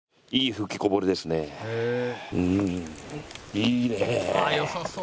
いいねえ。